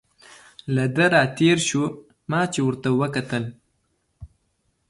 له ده را تېر شو، ما چې ورته وکتل.